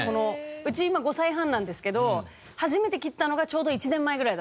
うち今５歳半なんですけど初めて切ったのがちょうど１年前ぐらいだったんですよ。